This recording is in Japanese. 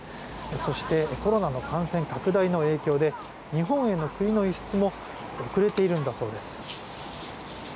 そしてコロナの感染拡大の影響で日本への栗の輸出も遅れているんだそうです。